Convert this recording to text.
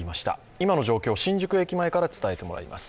今の状況、新宿駅前から伝えてもらいます。